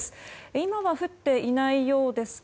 今は降っていないようですが。